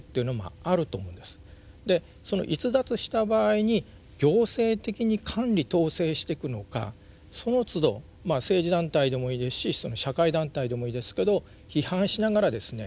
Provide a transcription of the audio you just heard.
でその逸脱した場合に行政的に管理統制してくのかそのつど政治団体でもいいですし社会団体でもいいですけど批判しながらですね